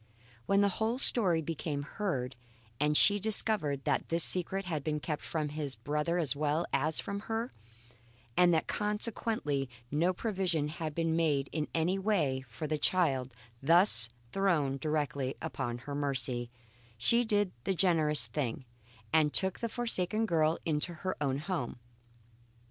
When the whole story became heard, and she discovered that this secret had been kept from his brother as well as from herself, and that consequently no provision had been made in any way for the child thus thrown directly upon her mercy, she did the generous thing and took the forsaken girl into her own home.